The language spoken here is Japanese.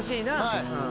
はい。